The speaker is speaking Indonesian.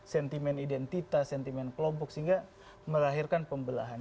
sentimen identitas sentimen kelompok sehingga melahirkan pembelahan